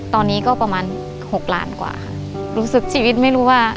ตอนนี้ก็ประมาณหกล้านกว่าค่ะรู้สึกชีวิตไม่รู้ว่า